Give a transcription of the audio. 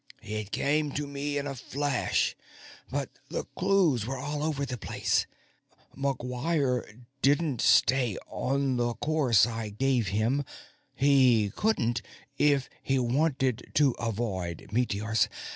"It came to me in a flash, but the clues were all over the place. McGuire didn't stay on the course I gave him; he couldn't, if he wanted to avoid meteors.